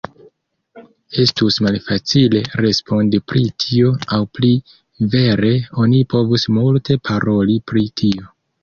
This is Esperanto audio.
Estus malfacile respondi pri tio, aŭ pli vere oni povus multe paroli pri tio.